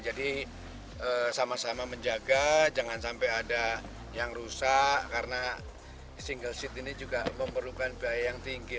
jadi sama sama menjaga jangan sampai ada yang rusak karena single seat ini juga memerlukan biaya yang tinggi